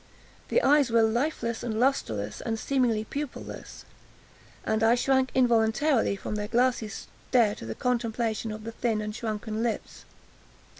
The eyes were lifeless, and lustreless, and seemingly pupilless, and I shrank involuntarily from their glassy stare to the contemplation of the thin and shrunken lips.